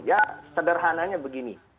ya sederhananya begini